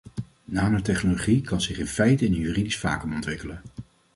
Nanotechnologie kan zich in feite in een juridisch vacuüm ontwikkelen.